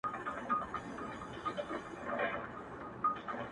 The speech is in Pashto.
دا دی د مرګ، و دایمي محبس ته ودرېدم .